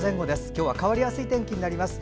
今日は変わりやすい天気になります。